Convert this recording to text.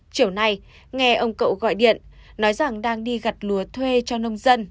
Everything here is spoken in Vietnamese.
chiều nay nghe ông cậu gọi điện nói rằng đang đi gặt lúa thuê cho nông dân